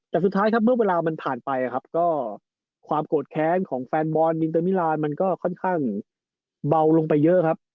แต่สุดท้ายครับเมื่อเวลามันผ่านไปครับก็ความโกรธแค้นของแฟนบอลอินเตอร์มิลานมันก็ค่อนข้างเบาลงไปเยอะครับ